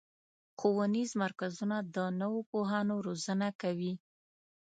ښوونیز مرکزونه د نوو پوهانو روزنه کوي.